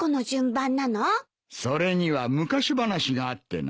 それには昔話があってな。